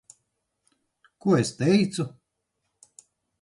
Ko es teicu?